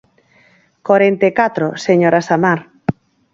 Corenta e catro, señora Samar.